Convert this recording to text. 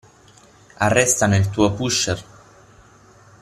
Arrestano il tuo pusher?